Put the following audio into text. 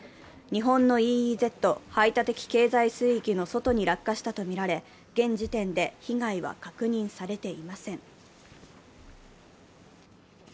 日本のＥＥＺ＝排他的経済水域の人に落下したとみられ、現時点で被害は確認されていません。